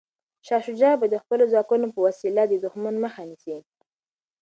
شاه شجاع به د خپلو ځواکونو په وسیله د دښمن مخه نیسي.